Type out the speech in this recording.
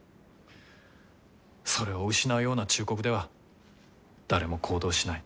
それを失うような忠告では誰も行動しない。